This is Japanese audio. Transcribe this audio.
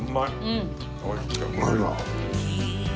うまいわ。